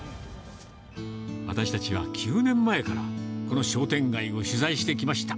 私たちは９年前から、この商店街を取材してきました。